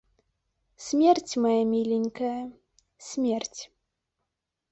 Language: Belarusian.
Смерць, мая міленькая, смерць.